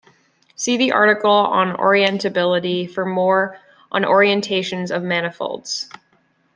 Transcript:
See the article on orientability for more on orientations of manifolds.